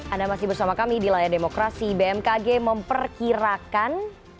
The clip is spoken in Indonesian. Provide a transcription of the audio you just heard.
anda masih bersama kami di layar demokrasi bmkg memperkirakan